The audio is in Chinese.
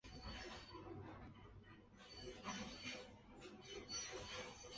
在亚洲的稻米种植业中是危害极大的一种杂草。